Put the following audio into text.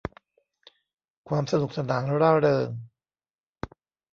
ความสนุกสนานร่าเริง